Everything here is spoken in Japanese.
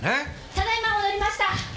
ただ今戻りました！